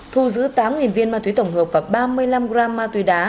thu giữ tám viên ma túy tổng hợp và ba mươi năm gram ma túy đá